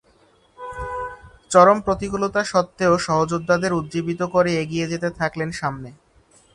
চরম প্রতিকূলতা সত্ত্বেও সহযোদ্ধাদের উজ্জীবিত করে এগিয়ে যেতে থাকলেন সামনে।